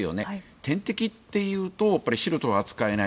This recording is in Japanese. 点滴というと素人は扱えない。